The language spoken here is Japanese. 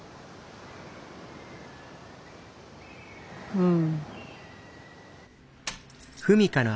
うん。